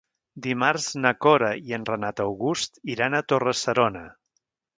Dimarts na Cora i en Renat August iran a Torre-serona.